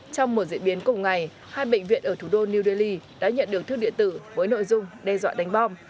trong một diễn biến cùng ngày hai bệnh viện ở thủ đô new delhi đã nhận được thư điện tử với nội dung đe dọa đánh bom